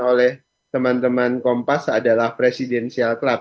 oleh teman teman kompas adalah presidensial club